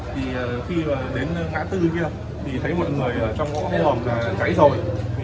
thì khi đến ngã tư kia thì thấy một người ở trong ngõ hồn cháy rồi